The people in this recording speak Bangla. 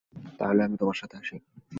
তাহলে, আমি তোমার সাথে আসি।